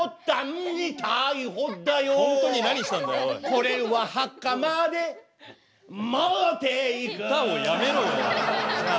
これは墓まで持っていく歌をやめろよじゃあ。